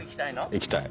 行きたい。